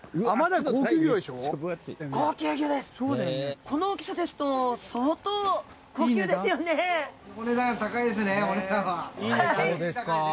あそうですか。